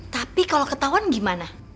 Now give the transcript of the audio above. tapi kalau ketahuan gimana